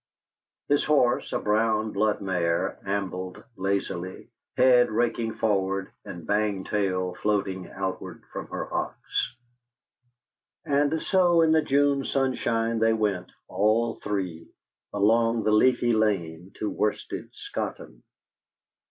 His horse, a brown blood mare, ambled lazily, head raking forward, and bang tail floating outward from her hocks. And so, in the June sunshine, they went, all three, along the leafy lane to Worsted Scotton....